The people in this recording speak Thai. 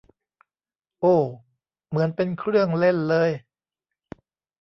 โอ้ เหมือนเป็นเครื่องเล่นเลย